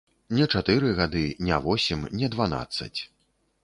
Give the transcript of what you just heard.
Не чатыры гады, не восем, не дванаццаць.